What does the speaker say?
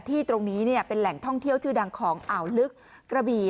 ที่ตรงนี้เป็นแหล่งท่องเที่ยวชื่อดังของอ่าวลึกกระบี่